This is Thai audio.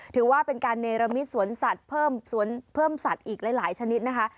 ถือว่าเป็นการเนรมิตสวนสัตว์เพิ่มสวนเพิ่มสัตว์อีกหลายชนิดนะคะ